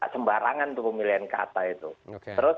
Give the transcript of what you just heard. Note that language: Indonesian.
sembarangan pemilihan kata itu